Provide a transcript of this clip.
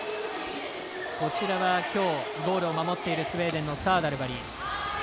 きょうゴールを守っているスウェーデンのサーダルバリ。